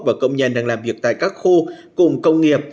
và công nhân đang làm việc tại các khu cụm công nghiệp